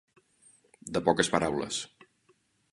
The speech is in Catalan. De poques paraules.